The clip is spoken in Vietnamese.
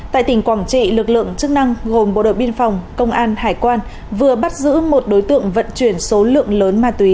tại tỉnh quảng trị lực lượng chức năng gồm bộ đội biên phòng công an hải quan vừa bắt giữ một đối tượng vận chuyển số lượng lớn ma túy